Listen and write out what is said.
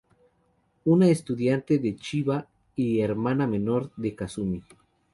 Una estudiante de Chiba y la hermana menor de Kasumi.